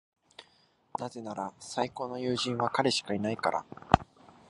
なぜなら、最高の友人は彼しかいないから。